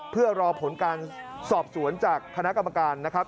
เพื่อรอผลการสอบสวนจากคณะกรรมการนะครับ